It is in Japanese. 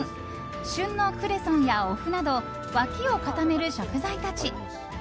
旬のクレソンやお麩など脇を固める食材たち。